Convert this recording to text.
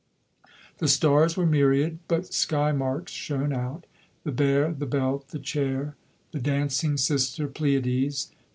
The stars were myriad, but sky marks shone out; the Bear, the Belt, the Chair, the dancing sister Pleiades.